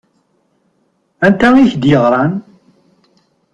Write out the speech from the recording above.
Anta i k-d-yeɣṛan?